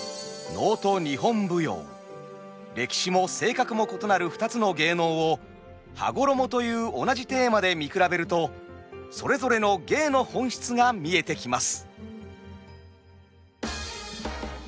歴史も性格も異なる２つの芸能を「羽衣」という同じテーマで見比べるとそれぞれの芸の本質が見えてきます。